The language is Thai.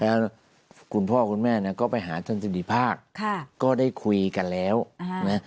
แล้วคุณพ่อคุณแม่เนี่ยก็ไปหาท่านสิริภาคค่ะก็ได้คุยกันแล้วนะ